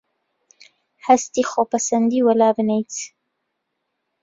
هەستی خۆپەسەندیی وەلابنێیت